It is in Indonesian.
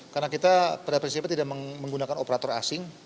karena kita pada prinsipnya tidak menggunakan operator asing